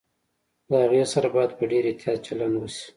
د هغې سره باید په ډېر احتياط چلند وشي